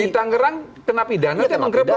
sekarang kena pidana itu yang mengerebek